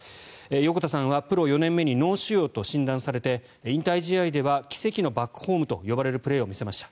横田さんはプロ４年目に脳腫瘍と診断されて引退試合では奇跡のバックホームと呼ばれるプレーを見せました。